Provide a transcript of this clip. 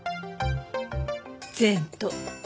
前途。